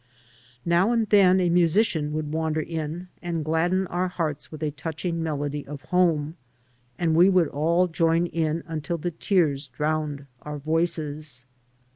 Now and then a musician would wander in and gladden our hearts with a touching melody of home, and we would all join in until the tears drowned our voices.